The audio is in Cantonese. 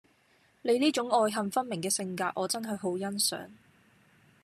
你呢種愛恨分明嘅性格我真係好欣賞